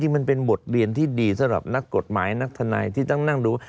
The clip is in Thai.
จริงมันเป็นบทเรียนที่ดีแหล่บนักกฎหมายนักธนาไอที่นั่งดู